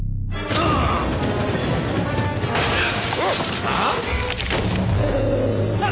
ああ！